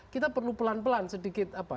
kita perlu pelan pelan sedikit apa